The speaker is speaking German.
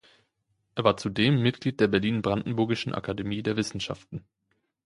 Er war zudem Mitglied der Berlin-Brandenburgischen Akademie der Wissenschaften.